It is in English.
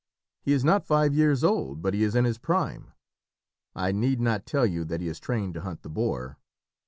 He is not five years old, but he is in his prime. I need not tell you that he is trained to hunt the boar.